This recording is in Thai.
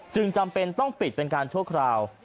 จำเป็นต้องปิดเป็นการชั่วคราว